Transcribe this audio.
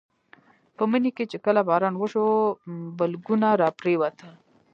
په مني کې چې کله باران وشو بلګونه راپرېوتل.